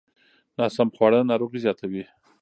ناسم خواړه ناروغۍ زیاتوي.